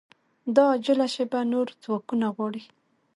دا عاجله شېبه نور ځواکونه غواړي